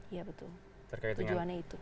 iya betul tujuannya itu